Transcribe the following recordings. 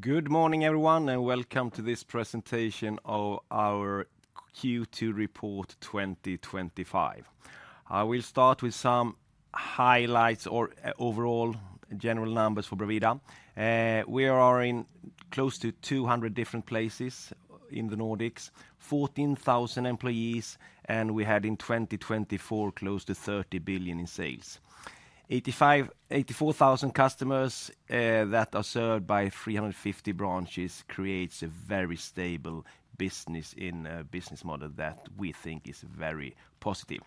Good morning everyone and welcome to this presentation of our Q2 report 2025. I will start with some highlights or overall general numbers for Bravida. We are in close to 200 different places in the Nordics, 14,000 employees, and we had in 2024 close to 30 billion in sales, 14,000 employees, 84,000 customers that are served by 350 branches. Creates a very stable business model that we think is very positive.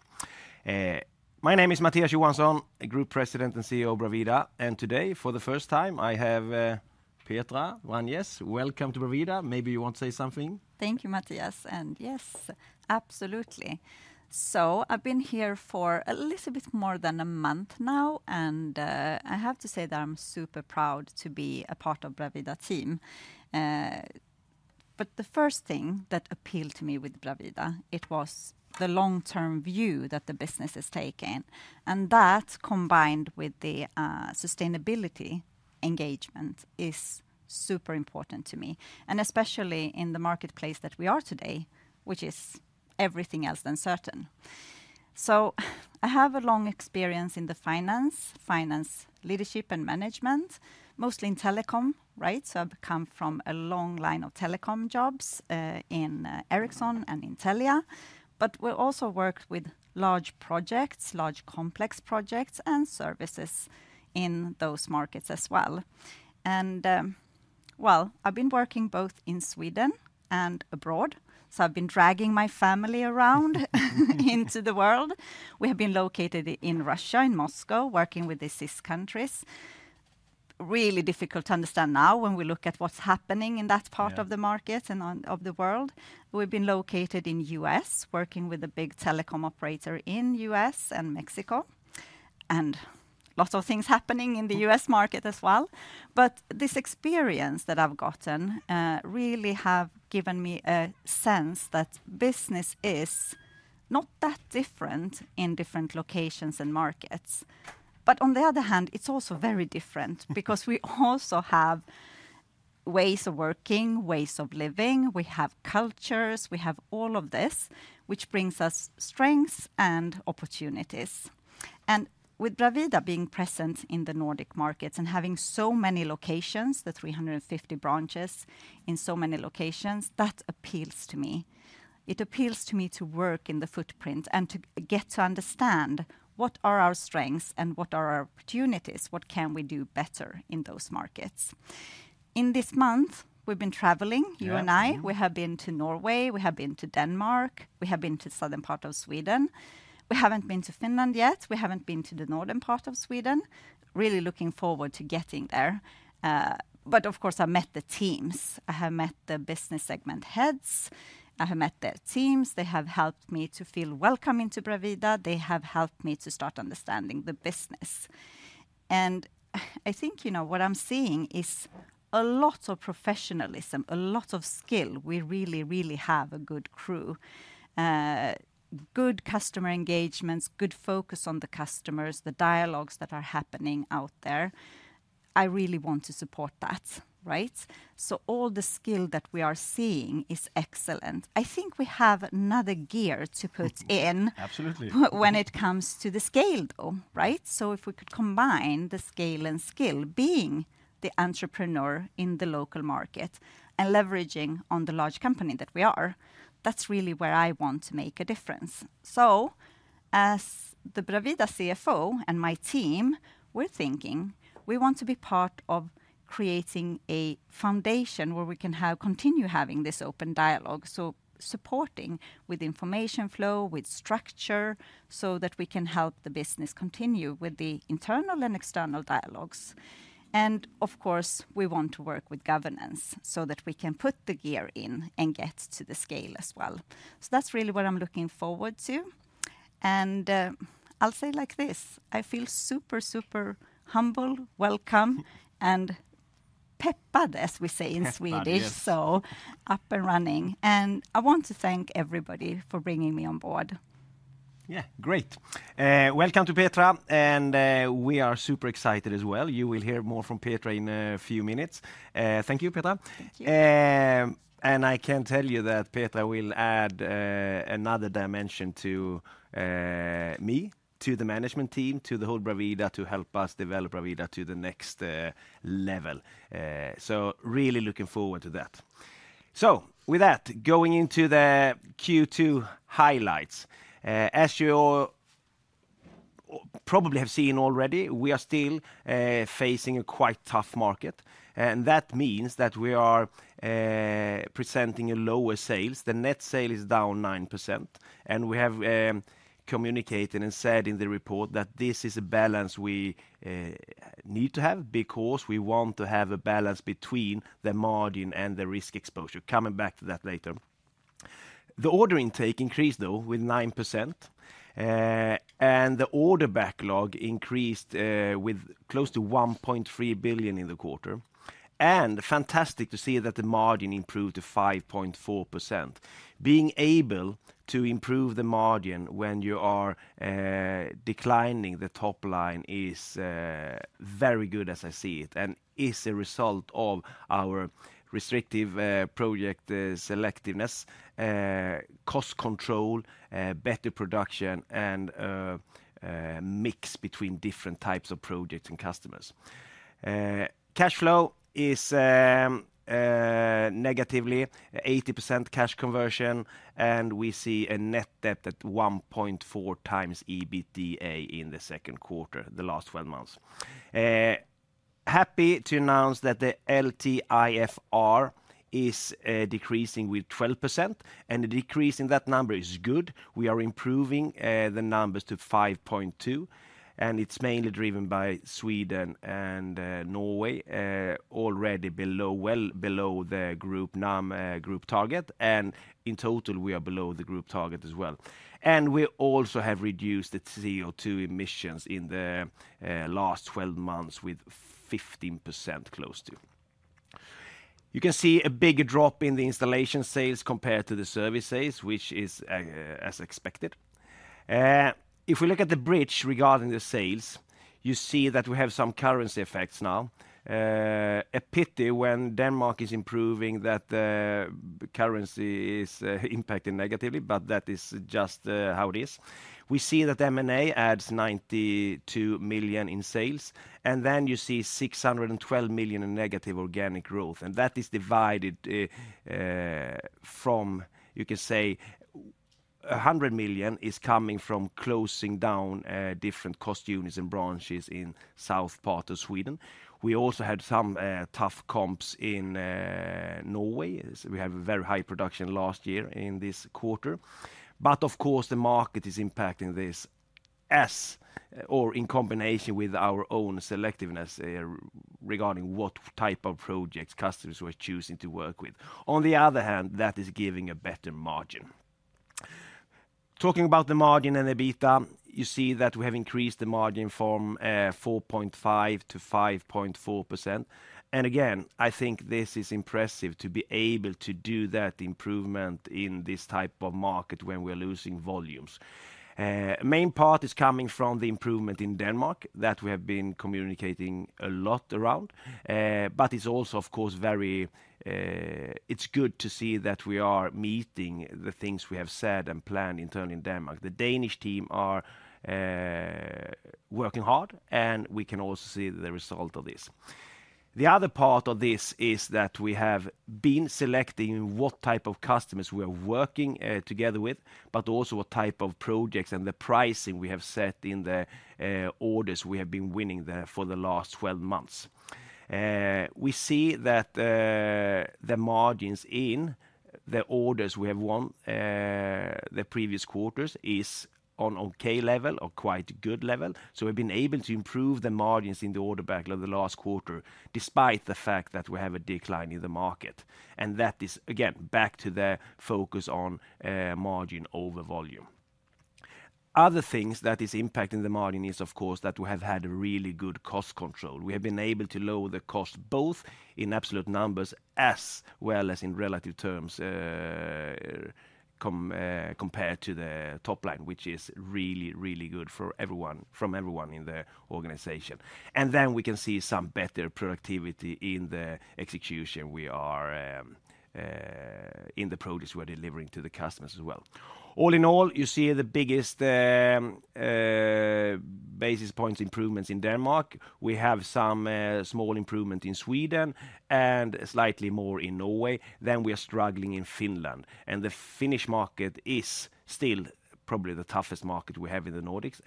My name is Mattias Johansson, Group President and CEO of Bravida. Today for the first time I have Petra Vranjes. Welcome to Bravida. Maybe you want to say something. Thank you, Mattias. Yes, absolutely. I've been here for a little bit more than a month now and I have to say that I'm super proud to be a part of the Bravida team. The first thing that appealed to me with Bravida was the long-term view that the business is taking, and that combined with the sustainability. Engagement is super important to me, especially in the marketplace that we are in today, which is everything else than certain. I have a long experience in finance, finance leadership, and management, mostly in telecom. I've come from a long line of telecom jobs in Ericsson and Intellia, but we also worked with large projects, large complex projects and services in those markets as well. I've been working both in Sweden and abroad, so I've been dragging my family around into the world. We have been located in Russia, in Moscow, working with the CIS countries. It's really difficult to understand now when we look at what's happening in that part of the market and of the world. We've been located in the U.S., working with a big telecom operator in the U.S. and Mexico, and lots of things happening in the U.S. market as well. This experience that I've gotten really has given me a sense that business is not that different in different locations and markets. On the other hand, it's also very different because we also have ways of working, ways of living, we have cultures, we have all of this which brings us strengths and opportunities. With Bravida being present in the Nordic markets and having so many locations, the 350 branches in so many locations, that appeals to me. It appeals to me to work in the footprint and to get to understand what are our strengths and what are our opportunities. What can we do better in those markets? In this month we've been traveling, you and I. We have been to Norway, we have been to Denmark, we have been to the southern part of Sweden, we haven't been to Finland yet. We haven't been to the northern part of Sweden. I'm really looking forward to getting there. Of course, I met the teams, I have met the business segment heads, I have met their teams. They have helped me to feel welcome into Bravida. They have helped me to start understanding the business. I think what I'm seeing is a lot of professionalism, a lot of skill. We really, really have a good crew, good customer engagements, good focus on the customers. The dialogues that are happening out there, I really want to support that. Right. All the skill that we are seeing is excellent. I think we have another gear to put in when it comes to the scale, right? If we could combine the scale and skill, being the entrepreneur in the local market and leveraging on the large company that we are, that's really where I want to make a difference. As the Bravida CFO and my team are thinking, we want to be part of creating a foundation where we can continue having this open dialogue. Supporting with information flow, with structure, so that we can help the business continue with the internal and external dialogues. Of course, we want to work with governance so that we can put the gear in and get to the scale as well. So that. That's really what I'm looking forward to. I feel super, super humble. Welcome. And Peppa, as we say in Swedish, so up and running. I want to thank everybody for bringing me on board. Yeah, great. Welcome to Petra and we are super excited as well. You will hear more from Petra in a few minutes. Thank you, Petra. I can tell you that Petra will add another dimension to me, to the management team, to the whole Bravida, to help us develop Bravida to the next level. Really looking forward to that. With that, going into the Q2 highlights, as you probably have seen already, we are still facing a quite tough market and that means that we are presenting a lower sales. The net sales is down 9% and we have communicated and said in the report that this is a balance we need to have, because we want to have a balance between the margin and the risk exposure. Coming back to that later, the order intake increased though with 9% and the order backlog increased with close to 1.3 billion in the quarter. Fantastic to see that the margin improved to 5.4%. Being able to improve the margin when you are declining the top line is very good as I see it, and is a result of our restrictive project selectiveness, cost control, better production, and mix between different types of projects. Customers' cash flow is negatively. 80% cash conversion and we see a net debt at 1.4 times EBITDA in the second quarter the last 12 months. Happy to announce that the LTIFR is decreasing with 12% and the decrease in that number is good. We are improving the numbers to 5.2 and it's mainly driven by Sweden and Norway. Already well below the NAM group target. In total we are below the group target as well. We also have reduced the CO₂ emissions in the last 12 months with close to 15%. You can see a big drop in the installation sales compared to the service sales, which is as expected. If we look at the bridge regarding the sales, you see that we have some currency effects now. A pity when Denmark is improving, that currency is impacted negatively. That is just how it is. We see that M&A adds 92 million in sales and then you see 612 million in negative organic growth. That is divided from, you can say, 100 million is coming from closing down different cost units and branches in the south part of Sweden. We also had some tough comps in Norway. We had very high production last year in this quarter. Of course, the market is impacting this as or in combination with our own selectiveness regarding what type of projects customers we are choosing to work with. On the other hand, that is giving a better margin. Talking about the margin and EBITDA, you see that we have increased the margin from 4.5% to 5.4%. I think this is impressive to be able to do that improvement in this type of market when we're losing volumes. Main part is coming from the improvement in Denmark that we have been communicating a lot around. It's also, of course, very good to see that we are meeting the things we have said and planned internally in Denmark. The Danish team are working hard and we can also see the result of this. The other part of this is that we have been selecting what type of customers we are working together with, but also what type of projects and the pricing we have set in the orders we have been winning there for the last 12 months. We see that the margins in the orders we have won the previous quarters is on okay level or quite good level. We've been able to improve the margins in the order backlog the last quarter despite the fact that we have a decline in the market. That is again back to the focus on margin over volume. Other things that is impacting the margin is, of course, that we have had a really good cost control. We have been able to lower the cost both in absolute numbers as well as in relative terms compared to the top line, which is really, really good from everyone in the organization. We can see some better productivity in the execution we are in the projects we're delivering to the customers as well. All in all, you see the biggest basis points improvements in Denmark. We have some small improvement in Sweden and slightly more in Norway, then we are struggling in Finland. The Finnish market is still probably the toughest market we have in the Nordics.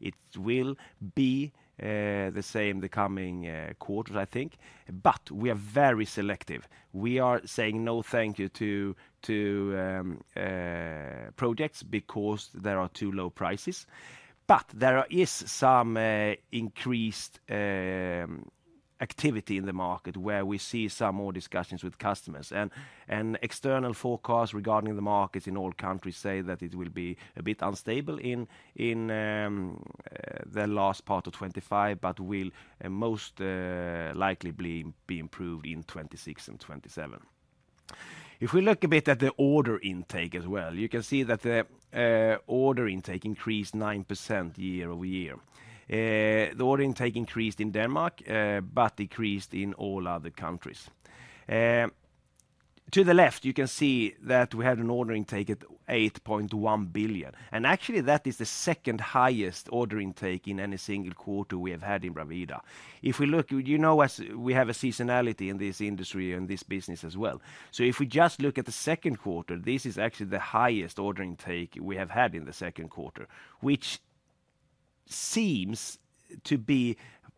It will be the same the coming quarters, I think, but we are very selective. We are saying no thank you to projects because there are too low prices. There is some increased activity in the market where we see some more discussions with customers and external forecasts regarding the markets in all countries say that it will be a bit unstable in the last part of 2025, but will most likely be improved in 2026 and 2027. If we look a bit at the order intake as well, you can see that the order intake increased 9% year over year. The order intake increased in Denmark, but decreased in all other countries. To the left you can see that we had an order intake at 8.1 billion and actually that is the second highest order intake in any single quarter we have had in Bravida. If we look, you know, we have a seasonality in this industry and this business as well. If we just look at the second quarter, this is actually the highest order intake we have had in the second quarter, which seems to be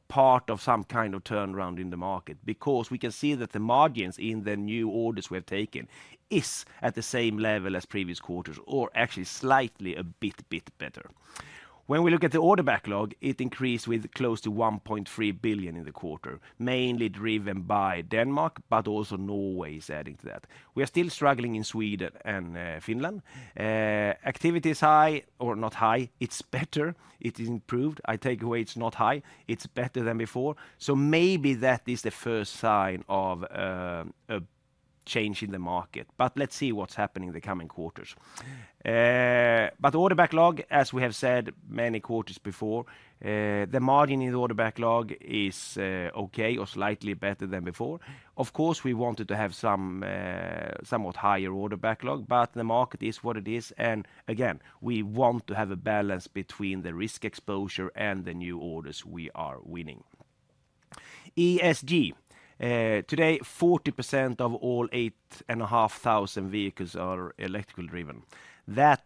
part of some kind of turnaround in the market because we can see that the margins in the new orders we have taken is at the same level as previous quarters or actually slightly, a bit, bit better. When we look at the order backlog, it increased with close to 1.3 billion in the quarter, mainly driven by Denmark, but also Norway is adding to that. We are still struggling in Sweden and Finland. Activity is high or not high, it's better, it is improved. I take away it's not high, it's better than before. Maybe that is the first sign of a change in the market. Let's see what's happening in the coming quarters. The order backlog, as we have said many quarters before, the margin in the order backlog is okay or slightly better than before. Of course we wanted to have somewhat higher order backlog, but the market is what it is and again, we want to have a balance between the risk exposure and the new orders. We are winning ESG. Today 40% of all 8,500 vehicles are electrically driven. That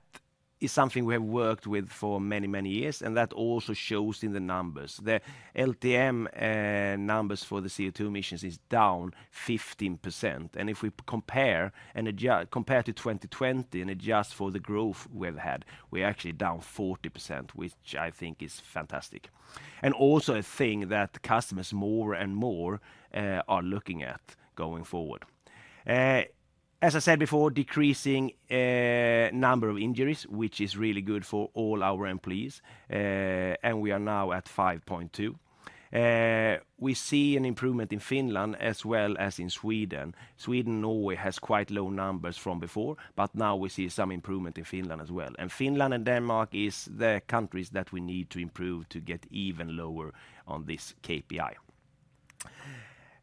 is something we have worked with for many, many years. That also shows in the numbers. The LTM numbers for the CO₂ emissions is down 15%. If we compare to 2020 and adjust for the growth we've had, we're actually. Which I think is fantastic and also a thing that customers more and more are looking at going forward. As I said before, decreasing number of injuries, which is really good for all our employees. We are now at 5.2. We see an improvement in Finland as well as in Sweden. Sweden, Norway has quite low numbers from before, but now we see some improvement in Finland as well. Finland and Denmark is the countries that we need to improve to get even lower on this KPI.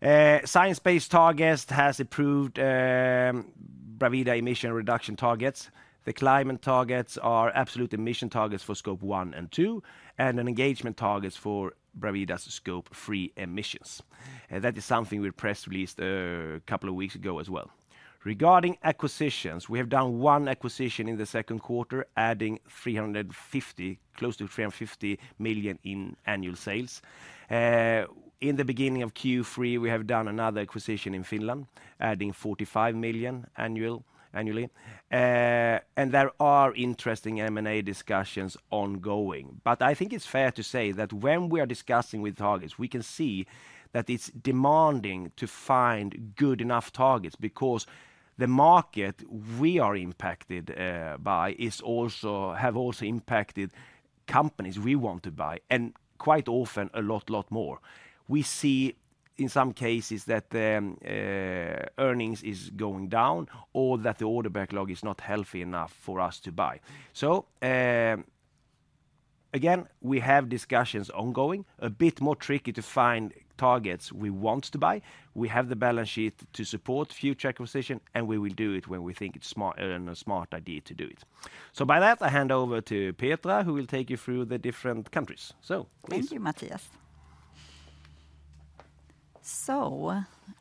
Science Based Targets has approved Bravida emission reduction targets. The climate targets are absolute emission targets for scope one and two and an engagement targets for Bravida's scope three emissions. That is something we press released a couple of weeks ago as well. Regarding acquisitions, we have done one acquisition in the second quarter adding 350 million, close to 350 million in annual sales. In the beginning of Q3 we have done another acquisition in Finland adding 45 million annually. There are interesting M&A discussions ongoing. I think it's fair to say that when we are discussing with targets, we can see that it's demanding to find good enough targets because the market we are impacted by has also impacted the companies we want to buy and quite often a lot, lot more. We see in some cases that earnings is going down or that the order backlog is not healthy enough for us to buy. Again, we have discussions ongoing. It's a bit more tricky to find targets we want to buy. We have the balance sheet to support future acquisition and we will do it when we think it's a smart idea to do it. By that, I hand over to Petra who will take you through the different countries. Thank you, Mattias.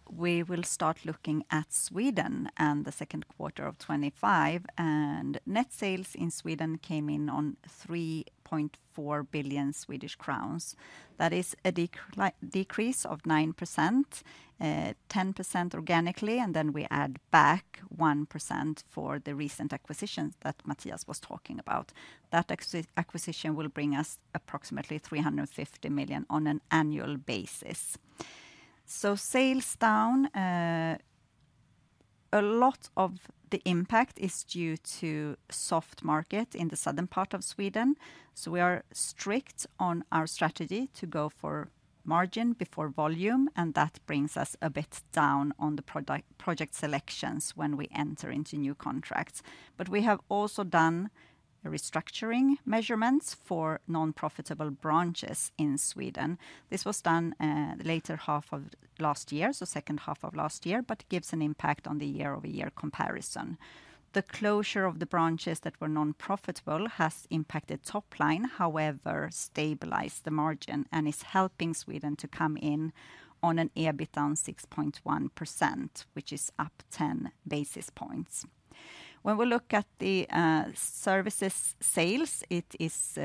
We will start looking at Sweden and 2Q25, and net sales in Sweden came in at 3.4 billion Swedish crowns. That is a decrease of 9%, 10% organically. Then we add back 1%, 1% for the recent acquisitions that Mattias was talking about. That acquisition will bring us approximately 350 million on an annual basis. Sales are down. A lot of the impact is due to a soft market in the southern part of Sweden. We are strict on our strategy to go for margin before volume, and that brings us a bit down on the project selections when we enter into new contracts. We have also done restructuring measures for non-profitable branches in Sweden. This was done in the latter half of last year, so the second half of last year, but gives an impact on the year-over-year comparison. The closure of the branches that were non-profitable has impacted top line, however, stabilized the margin and is helping Sweden to come in on an EBITDA margin of 6.1%, which is up 10 basis points. When we look at the service sales, it is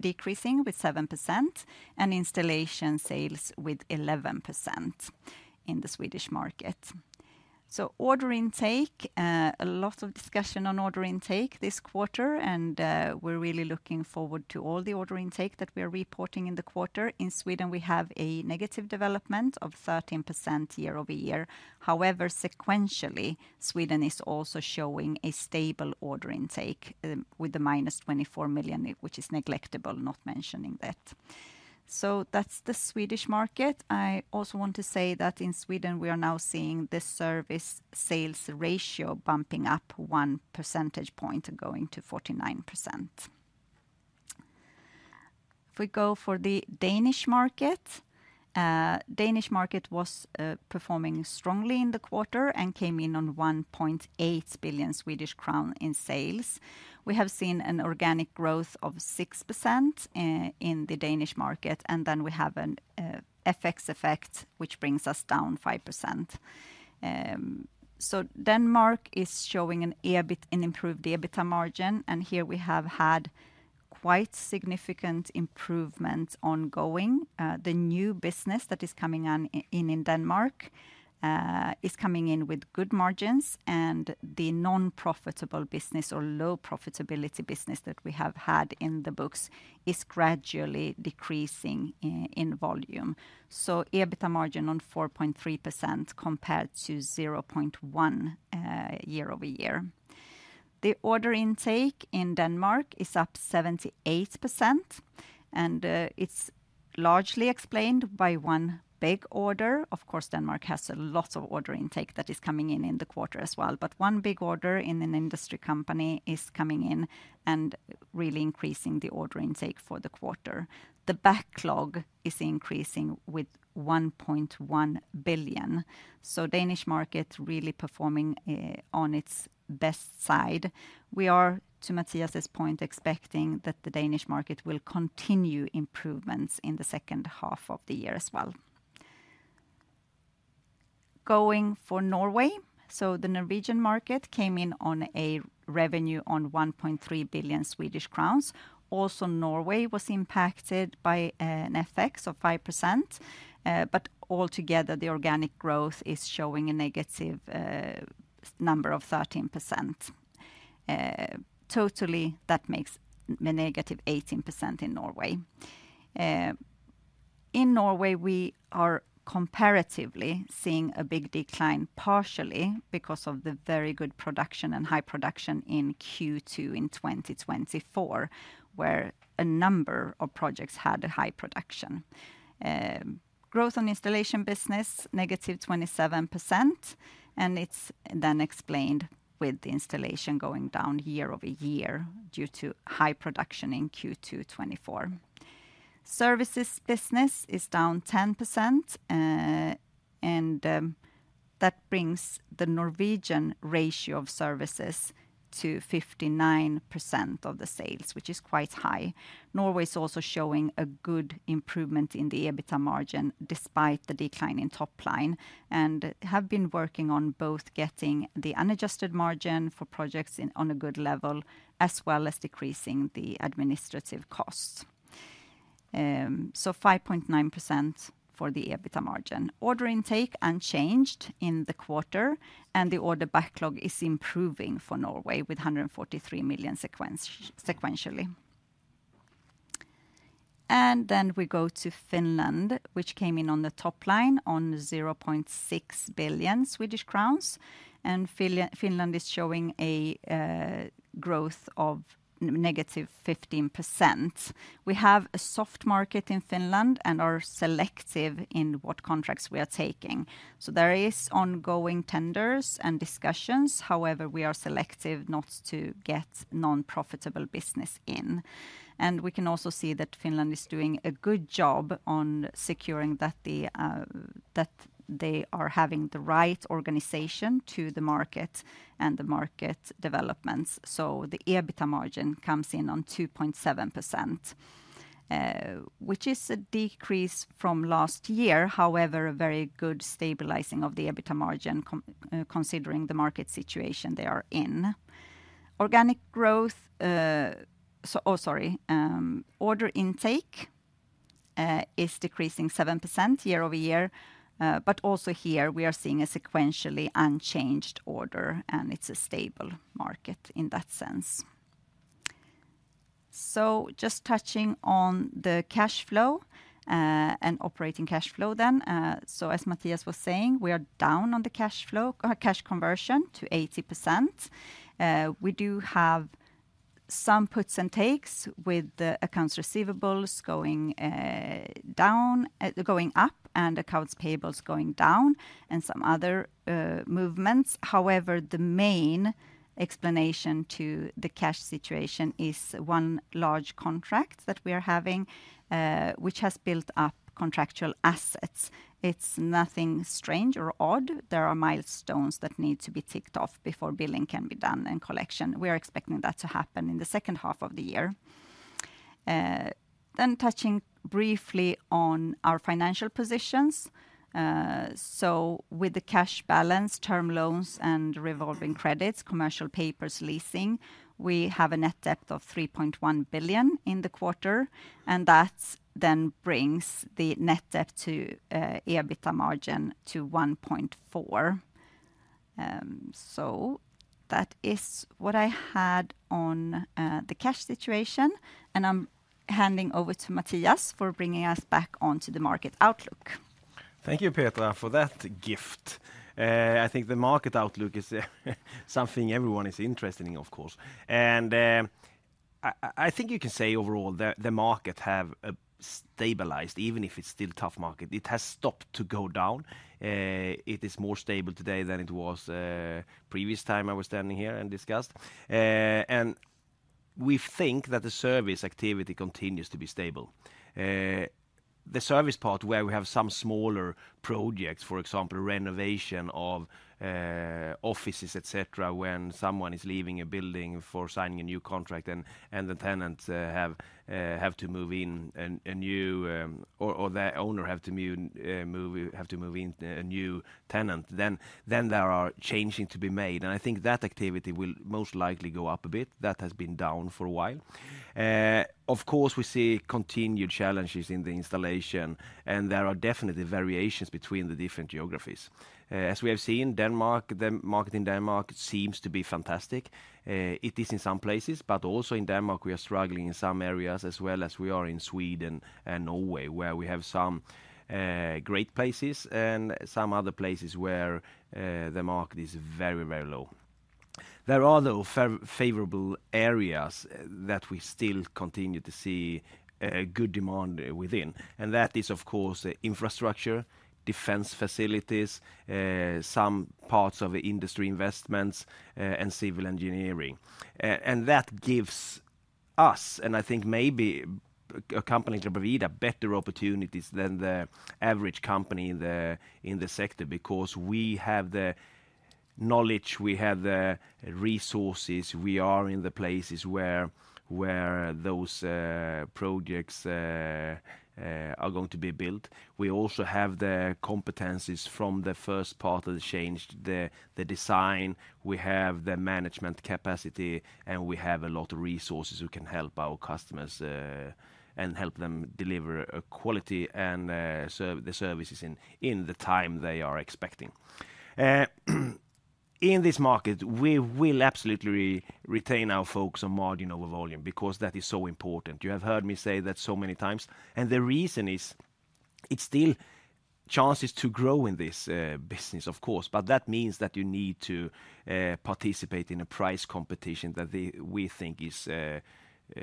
decreasing by 7% and installation sales by 11% in the Swedish market. Order intake: a lot of discussion on order intake this quarter, and we're really looking forward to all the order intake that we are reporting in the quarter. In Sweden, we have a negative development of 13% year over year. However, sequentially, Sweden is also showing a stable order intake with the -24 million, which is negligible, not mentioning that. That's the Swedish market. I also want to say that in Sweden, we are now seeing the service sales ratio bumping up 1 percentage point, going to 49%. If we go for the Danish market, the Danish market was performing strongly in the quarter and came in at 1.8 billion Swedish crown in sales. We have seen an organic growth of 6% in the Danish market, and then we have an FX effect which brings us down 5%. Denmark is showing an improved EBITDA margin, and here we have had quite significant improvements ongoing. The new business that is coming in in Denmark is coming in with good margins, and the non-profitable business or low profitability business that we have had in the books is gradually decreasing in volume. EBITDA margin is at 4.3% compared to 0.1% year over year. The order intake in Denmark is up 78%, and it's largely explained by one big order. Of course, Denmark has a lot of order intake that is coming in in the quarter as well. One big order in an industry company is coming in and really increasing the order intake for the quarter. The backlog is increasing with 1.1 billion. The Danish market is really performing on its best side. We are, to Mattias's point, expecting that the Danish market will continue improvements in the second half of the year. As for Norway, the Norwegian market came in on a revenue of 1.3 billion Swedish crowns. Norway was impacted by an FX of 5%. Altogether, the organic growth is showing a negative number of 13%. That makes -18% in Norway. In Norway, we are comparatively seeing a big decline partially because of the very good production and high production in Q2 2024 where a number of projects had high production growth. On installation business, minus 27%, and it's then explained with the installation going down year over year due to high production in Q2 2024. Services business is down 10%, and that brings the Norwegian ratio of services to 59% of the sales, which is quite high. Norway is also showing a good improvement in the EBITDA margin despite the decline in top line and has been working on both getting the unadjusted margin for projects on a good level as well as decreasing the administrative costs. 5.9% for the EBITDA margin. Order intake unchanged in the quarter, and the order backlog is improving for Norway with 143 million sequentially. We go to Finland, which came in on the top line at 0.6 billion Swedish crowns, and Finland is showing a growth of negative 15%. We have a soft market in Finland and are selective in what contracts we are taking, so there are ongoing tenders and discussions. However, we are selective not to get non-profitable business in, and we can also see that Finland is doing a good job on securing that they are having the right organization to the market and the market developments. The EBITDA margin comes in at 2.7%, which is a decrease from last year. However, a very good stabilizing of the EBITDA margin considering the market situation they are in. Order intake is decreasing 7% year over year, but also here we are seeing a sequentially unchanged order, and it's a stable market in that sense. Just touching on the cash flow and operating cash flow then, as Mattias was saying, we are down on the cash flow, cash conversion to 80%. We do have some puts and takes with the accounts receivables going down, going up, and accounts payables going down and some other movements. However, the main explanation to the cash situation is one large contract that we are having which has built up contractual assets. It's nothing strange or odd. There are milestones that need to be ticked off before billing can be done and collection. We are expecting that to happen in the second half of the year. Touching briefly on our financial positions, with the cash balance, term loans and revolving credits, commercial papers, leasing, we have a net debt of 3.1 billion in the quarter and that then brings the net debt to EBITDA margin to 1.4. That is what I had on the cash situation and I'm handing over to Mattias for bringing us back onto the market outlook. Thank you, Petra, for that gift. I think the market outlook is something everyone is interested in, of course. I think you can say overall the market has stabilized. Even if it's still a tough market, it has stopped going down. It is more stable today than it was the previous time I was standing here and discussed. We think that the service activity continues to be stable. The service part, where we have some smaller projects, for example, renovation of offices, etc., when someone is leaving a building for signing a new contract and the tenants have to move in or the owner has to move in a new tenant, then there are changes to be made. I think that activity will most likely go up a bit. That has been down for a while. Of course, we see continued challenges in the installation, and there are definitely variations between the different geographies. As we have seen in Denmark, the market in Denmark seems to be fantastic. It is in some places, but also in Denmark we are struggling in some areas as well as we are in Sweden and Norway, where we have some great places and some other places where the market is very, very low. There are, though, favorable areas that we still continue to see good demand within. That is, of course, infrastructure, defence facilities, some parts of industry investments, and civil engineering. That gives us, and I think maybe a company like Bravida, better opportunities than the average company in the sector because we have the knowledge, we have the resources, we are in the places where those projects are going to be built. We also have the competencies from the first part of the change, the design. We have the management capacity, and we have a lot of resources who can help our customers and help them deliver quality and the services in the time they are expecting. In this market, we will absolutely retain our focus on margin over volume, because that is so important. You have heard me say that so many times. The reason is it's still chances to grow in this business, of course, but that means that you need to participate in a price competition that we think is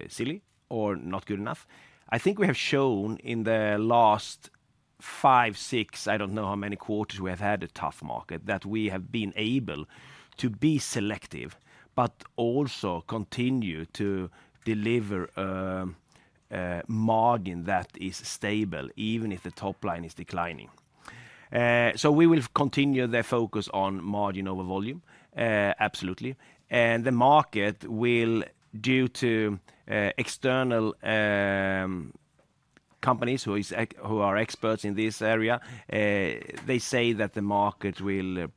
silly or not good enough. I think we have shown in the last five, six, I don't know how many quarters we have had a tough market, that we have been able to be selective but also continue to deliver margin that is stable even if the top line is declining. We will continue that focus on margin over volume. Absolutely. The market will, due to external companies who are experts in this area,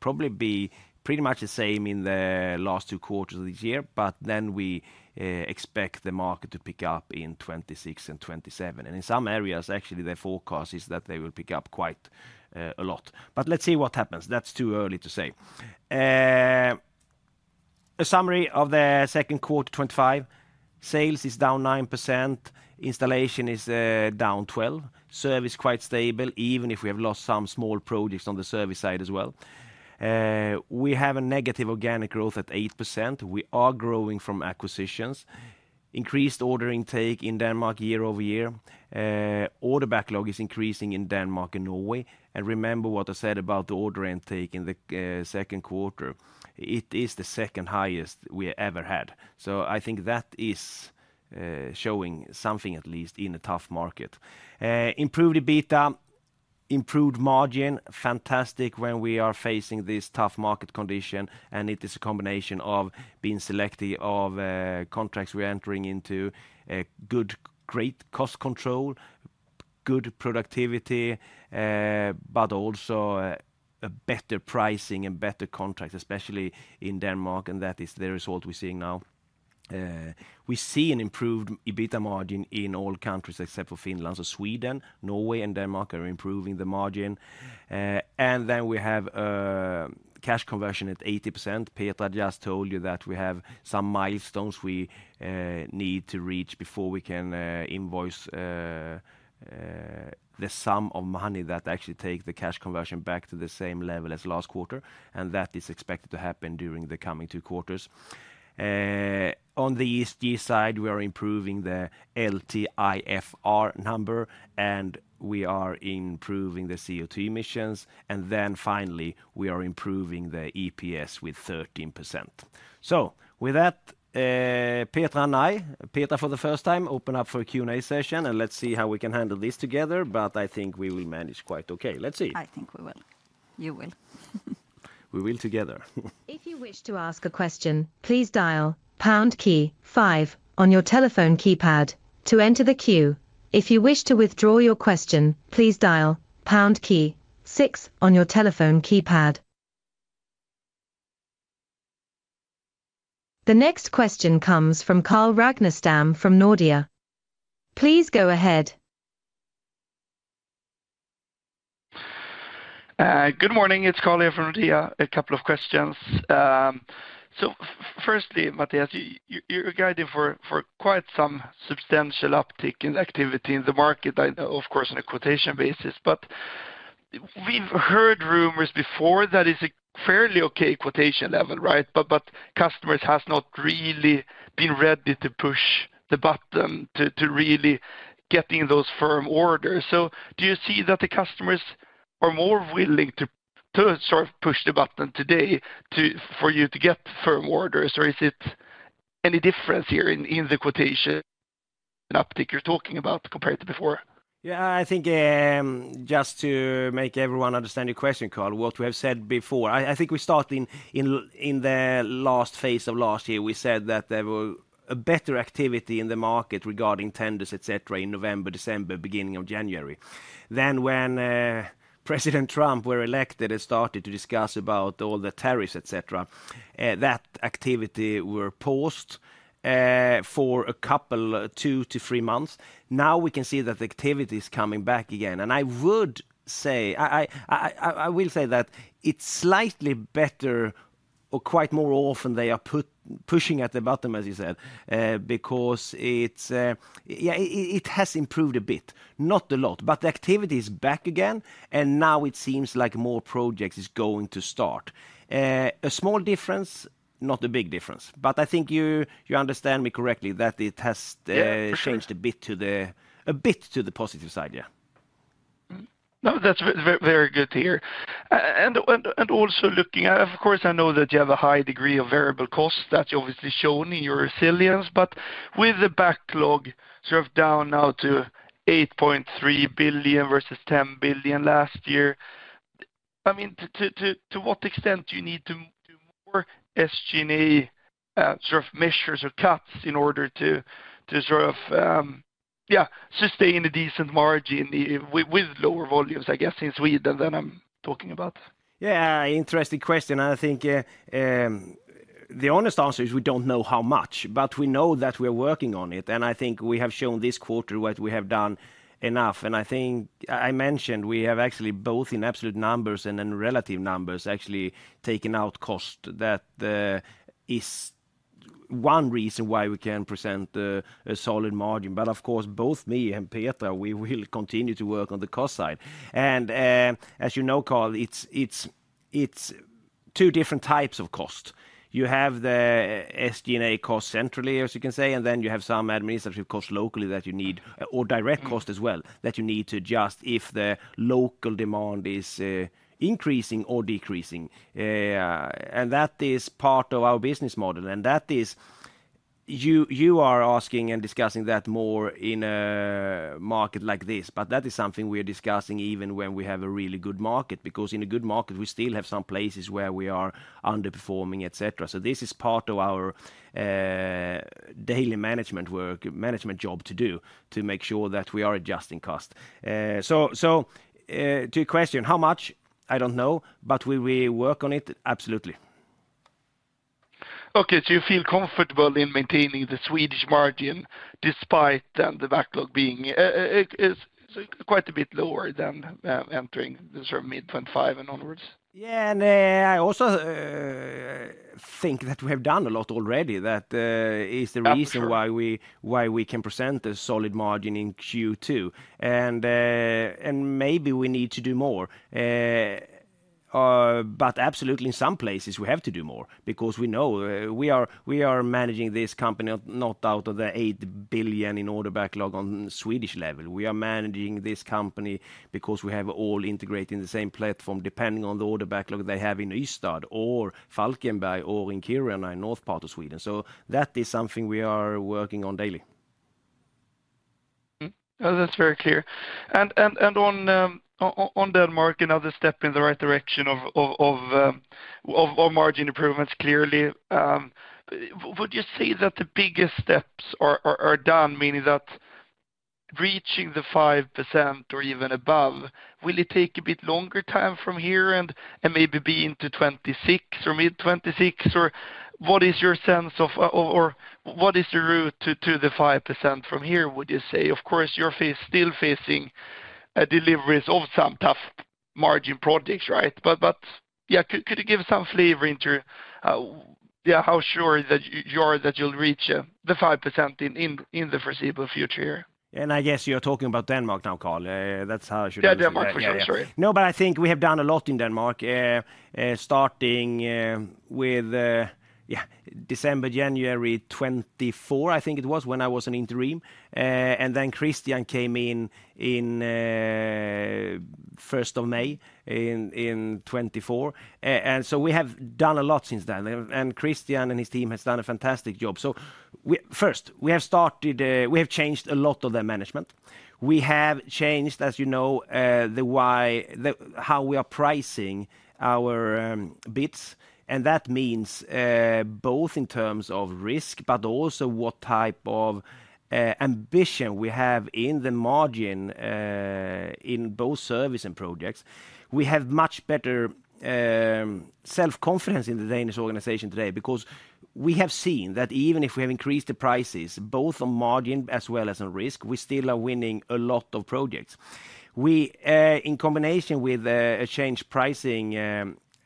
probably be pretty much the same in the last two quarters of this year. We expect the market to pick up in 2026 and 2027, and in some areas, actually their forecast is that they will pick up quite a lot. Let's see what happens. That's too early to say. A summary of the second quarter: 2025 sales is down 9%. Installation is down 12%. Quite stable, even if we have lost some small projects on the service side as well. We have a negative organic growth at 8%. We are growing from acquisitions. Increased order intake in Denmark year over year, order backlog is increasing in Denmark and Norway. Remember what I said about the order intake in the second quarter. It is the second highest we ever had. I think that is showing something at least in a tough market. Improved EBITDA, improved margin. Fantastic, when we are facing this tough market condition, and it is a combination of being selective of contracts we are entering into, great cost control, good productivity, but also better pricing and better contracts, especially in Denmark. That is the result we are seeing now. We see an improved EBITDA margin in all countries except for Finland. Sweden, Norway, and Denmark are improving the margin. We have cash conversion at 80%. Petra just told you that we have some milestones we need to reach before we can invoice the sum of money that actually takes the cash conversion back to the same level as last quarter. That is expected to happen during the coming two quarters. On the ESG side, we are improving the LTIFR number and we are improving the CO₂ emissions. Finally, we are improving the EPS with 13%. With that, Petra and I, for the first time, open up for Q&A session and let's see how we can handle this together. I think we will manage quite okay. Let's see. I think we will. You will, We will. Together. If you wish to ask a question. Please dial Key 5 on your telephone keypad. To enter the queue, if you wish to withdraw your question. Please dial six on your telephone keypad. The next question comes Karl Ragnerstam from Nordea. Please go ahead. Good morning, it's Karl from Nordea. A couple of questions. Firstly, Mattias, you're guiding for quite some substantial uptick in activity in the market. It is of course on a quotation basis, but we've heard rumors before that it's a fairly okay quotation level, right? Customers have not really been ready to push the button to really get those firm orders. Do you see that the customers are more willing to sort of push the button today for you to get firm orders? Is there any difference here in the quotation uptick you're talking about compared to before? Yeah, I think just to make everyone understand your question, Karl, what we have said before, I think we start, in the last phase of last year, we said that there was better activity in the market regarding tenders, etc., in November, December, beginning of January. When President Trump was elected and started to discuss about all the tariffs, etc., that activity was paused for a couple, two to three months. Now we can see that the activity is coming back again and I would say that it's slightly better or quite more often. They are pushing at the bottom, as you said, because it has improved a bit, not a lot, but the activity is back again and now it seems like more projects are going to start. A small difference, not a big difference, but I think you understand me correctly, that it has changed a bit to the positive side. That's very good here. Also, looking at, of course, I know that you have a high degree of variable cost that's obviously shown in your resilience. With the order backlog down now to 8.3 billion versus 10 billion last year, to what extent do you need to do more SG&A measures or cuts in order to sustain a decent margin with lower volumes, I guess in Sweden, that I'm talking about? Yeah, interesting question. I think the honest answer is we don't know how much, but we know that we're working on it. I think we have shown this quarter what we have done enough. I think I mentioned we have actually both in absolute numbers and then relative numbers actually taken out cost. That is one reason why we can present a solid margin. Of course, both me and Petra, we will continue to work on the cost side. As you know, Karl, it's two different types of cost. You have the SG&A cost centrally, as you can say, and then you have some administrative cost locally that you need, or direct cost as well that you need to adjust if the local demand is increasing or decreasing. That is part of our business model and that is you are asking and discussing that more in a market like this. That is something we are discussing even when we have a really good market, because in a good market we still have some places where we are underperforming, etc. This is part of our daily management work, management job to do to make sure that we are adjusting cost. To question how much, I don't know. Will we work on it? Absolutely. Okay, so you feel comfortable in maintaining the Swedish margin despite the backlog being quite a bit lower than entering mid 2025 and onwards? I also think that we have done a lot already. That is the reason why we can present a solid margin in Q2. Maybe we need to do more, but absolutely, in some places we have to do more because we know we are managing this company not out of the 8 billion in order backlog on Swedish level. We are managing this company because we have all integrated in the same platform, depending on the order backlog they have in Istad or Falkenberg or in Kiruna in the north part of Sweden. That is something we are working on daily. That's very clear. On Denmark, another step in the right direction of margin improvements, clearly. Would you say that the biggest steps are done, meaning that reaching the 5% or even above, will it take a bit longer time from here and maybe be into 2026 or mid 2026? What is your sense of what is the route to the 5% from here, would you say? Of course, you're still facing deliveries of some tough margin projects, right? Could you give some flavor into how sure you are that you'll reach the 5% in the foreseeable future? I guess you're talking about Denmark now, Karl. That's how. Yeah, Denmark for sure. Sorry. No, but I think we have done a lot in Denmark, starting with December, January 24th, I think it was when I was an interim. Then Christian came in on May 1st, 2024. We have done a lot since then and Christian and his team have done a fantastic job. First, we have started. We have changed a lot of the management. We have changed, as you know, the why, the how we are pricing our bids and that means both in terms of risk, but also what type of ambition we have in the margin in both service and projects. We have much better self-confidence in the Danish organization today because we have seen that even if we have increased the prices both on margin as well as on risk, we still are winning a lot of projects. In combination with a changed pricing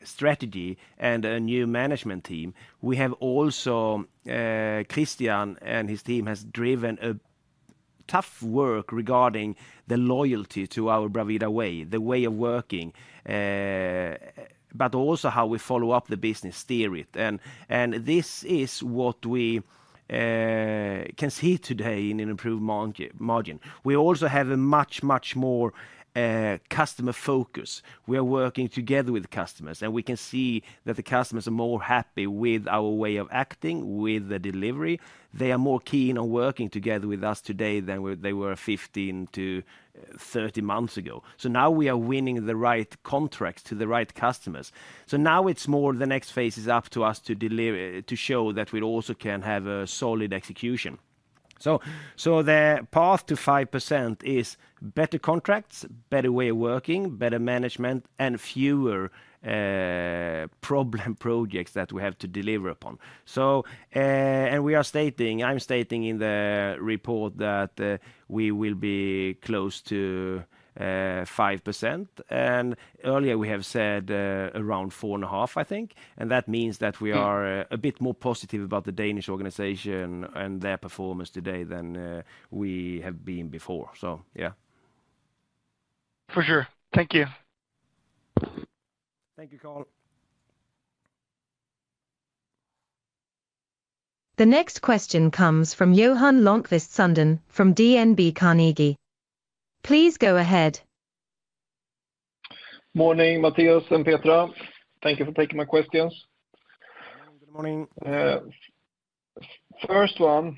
strategy and a new management team, Christian and his team have driven a tough work regarding the loyalty to our Bravida way, the way of working, but also how we follow up the business, steer it. This is what we can see today in an improved margin. We also have a much, much more customer focus. We are working together with customers and we can see that the customers are more happy with our way of acting with the delivery. They are more keen on working together with us today than they were 15 to 30 months ago. Now we are winning the right contracts to the right customers. The next phase is up to us to deliver, to show that we also can have a solid execution. The path to 5% is better contracts, better way of working, better management and fewer problem projects that we have to deliver upon. I am stating in the report that we will be close to 5% and earlier we have said around 4.5% I think. That means that we are a bit more positive about the Danish organization and their performance today than we have been before. Yeah, for sure. Thank you. Thank you, Karl. The next question comes from Johan Lundqvist Sundén from DNB Carnegie. Please go ahead. Morning Mattias and Petra. Thank you for taking my questions. Good morning. First one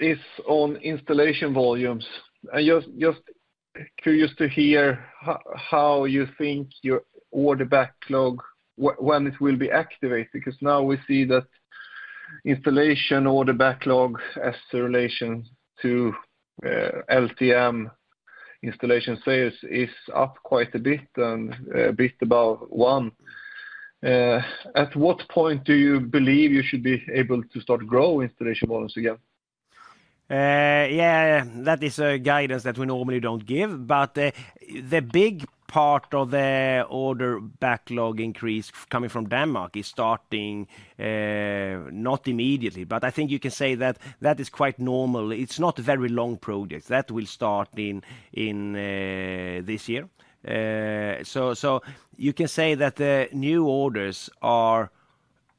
is on installation volumes. I'm just curious to hear how you think your order backlog, when it will be activated, because now we see that installation order backlog as relation to LTM installation sales is up quite a bit and a bit above one. At what point do you believe you should be able to start grow installation? Yeah, that is a guidance that we normally don't give. The big part of the order backlog increase coming from Denmark is starting not immediately, but I think you can say that that is quite normal. It's not a very long project that will start in this year. You can say that the new orders are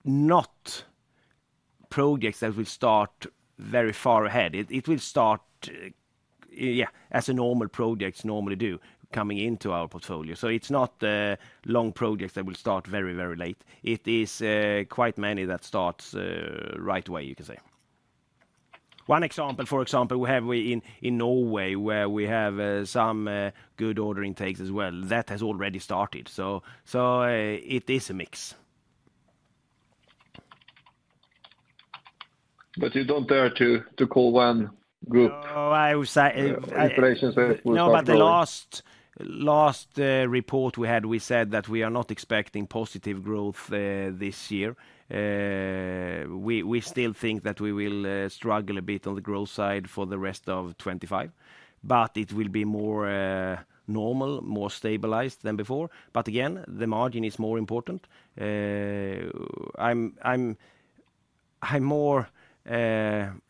not projects that will start very far ahead. It will start as normal projects normally do, coming into our portfolio. It's not long projects that will start very, very late. It is quite many that start right away. You can say one example. For example, we have in Norway where we have some good order intakes as well, that has already started. It is a mix. You don't dare to call one group. No, but the last report we had, we said that we are not expecting positive growth this year. We still think that we will struggle a bit on the growth side for the rest of 2025. It will be more normal, more stabilized than before. Again, the margin is more important. I'm more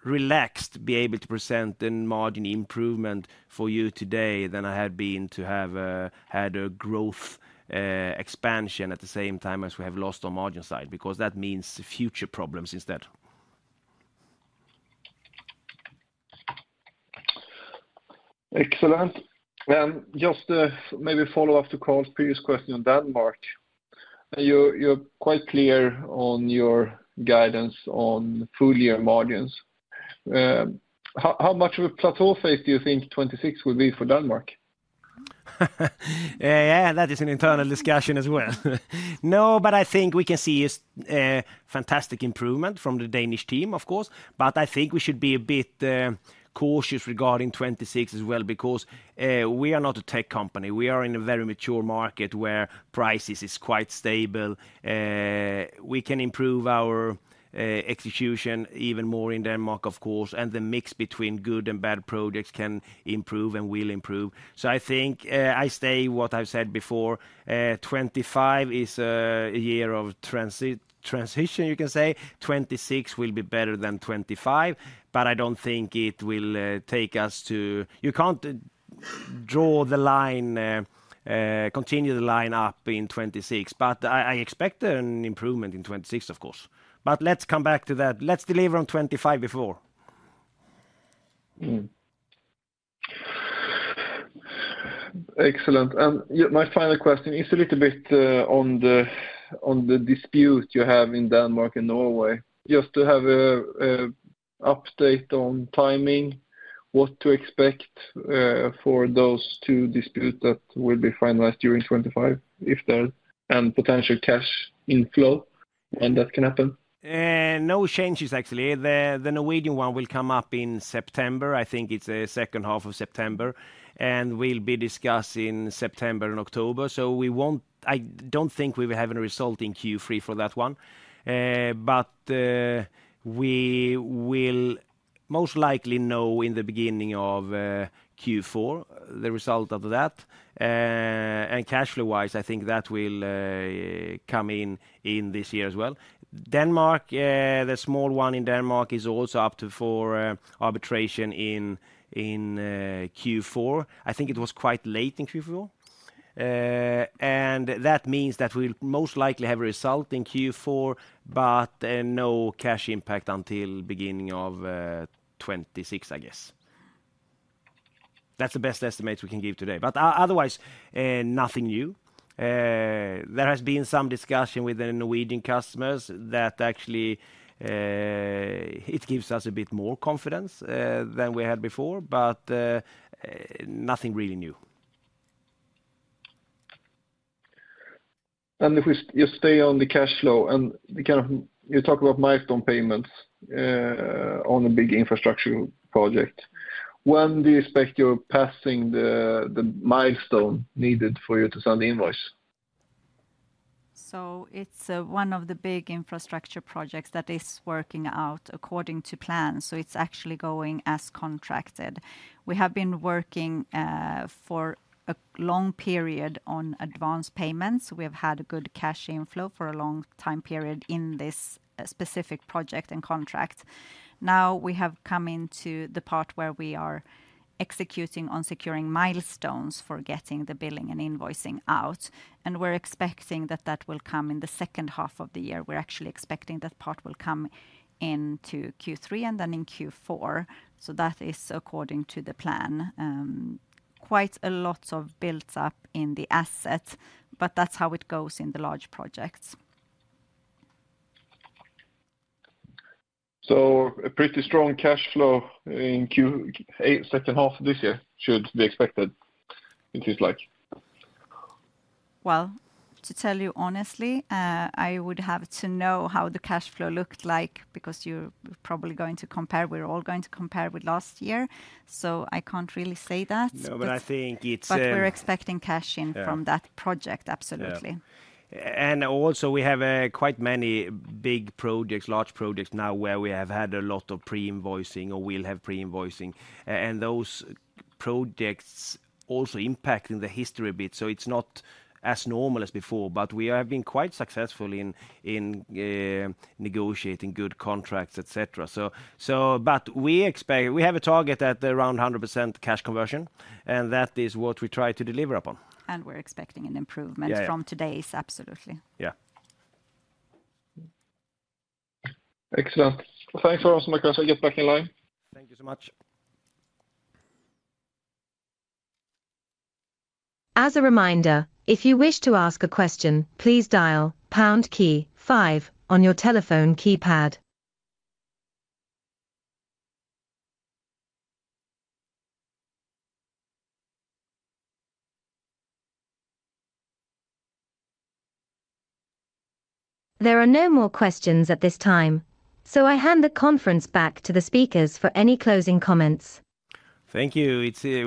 relaxed to be able to present a margin improvement for you today than I had been to have had a growth expansion at the same time as we have lost on the margin side, because that means future problems instead. Excellent. Just maybe follow up to Karl's previous question on Denmark. You're quite clear on your guidance on full year margins. How much of a plateau phase do you think 2026 will be for Denmark? Yeah, that is an internal discussion as well. No, but I think we can see fantastic improvement from the Danish team, of course, but I think we should be a bit cautious regarding 2026 as well because we are not a tech company. We are in a very mature market where prices are quite stable. We can improve our execution even more in Denmark, of course, and the mix between good and bad projects can improve and will improve. I think I stay with what I've said before. 2025 is a year of transition. You can say 2026 will be better than 2025, but I don't think it will take us to—you can't draw the line, continue the line up in 2026, but I expect an improvement in 2026, of course. Let's come back to that. Let's deliver on 2025 before. Excellent. My final question is a little bit on the dispute you have in Denmark and Norway. Just to have an update on timing, what to expect for those two disputes that will be finalized during 2025, if there is any potential cash inflow, when that can happen. No changes. Actually, the Norwegian one will come up in September. I think it's the second half of September and will be discussed in September and October. We won't, I don't think we will have any result in Q3 for that one, but we will most likely know in the beginning of Q4 the result of that. Cash flow wise, I think that will come in this year as well. Denmark, the small one in Denmark, is also up for arbitration in Q4. I think it was quite late in Q4, and that means that we'll most likely have a result in Q4 but no cash impact until the beginning of 2026. I guess that's the best estimates we can give today, but otherwise nothing new. There has been some discussion with the Norwegian customers that actually gives us a bit more confidence than we had before, but nothing really new. If we just stay on the cash flow and you talk about milestone payments on a big infrastructure project, when do you expect you're passing the milestone needed for you to send the invoice? It is one of the big infrastructure projects that is working out according to plan. It is actually going as contracted. We have been working for a long period on advance payments. We have had a good cash inflow for a long time period in this specific project and contract. Now we have come into the part where we are executing on securing milestones for getting the billing and invoicing out, and we're expecting that will come in the second half of the year. We're actually expecting that part will come into Q3 and then in Q4. That is according to the plan. Quite a lot is built up in the asset, but that's how it goes in the large projects. A pretty strong cash flow in the second half this year should be expected. It is like. To tell you honestly, I would have to know how the cash flow looked like because you're probably going to compare. We're all going to compare with last year, so I can't really say that. No, I think it's. We are expecting cash in from that project. Absolutely. We have quite many big projects, large projects now where we have had a lot of pre-invoicing or will have pre-invoicing, and those projects also impact the history a bit. It's not as normal as before, but we have been quite successful in negotiating good contracts, etc. We expect we have a target at around 100% cash conversion, and that is what we try to deliver upon. We are expecting an improvement from today's. Absolutely, yeah. Excellent. Thanks for asking. Get back in line. Thank you so much. As a reminder, if you wish to. ask a question, please dial on your telephone keypad. There are no more questions at this time, so I hand the conference back to the speakers for any closing comments. Thank you.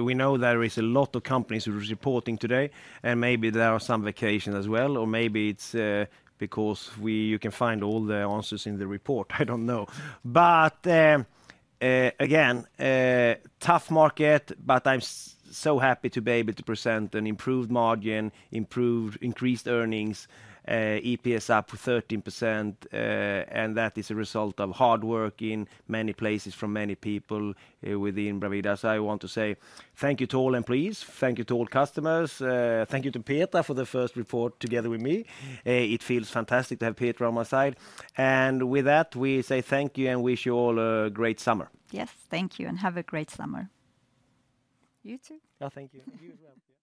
We know there are a lot of companies reporting today and maybe there are some vacations as well or maybe it's because you can find all the answers in the report. I don't know. Tough market, but I'm so happy to be able to present an improved margin, improved increased earnings, EPS up 13%, and that is a result of hard work in many places from many people within Bravida. I want to say thank you to all employees, thank you to all customers, thank you to Petra for the first report together with me. It feels fantastic to have Petra from my side, and with that we say thank you and wish you all a great summer. Yes, thank you, and have a great summer. You too. Oh, thank you.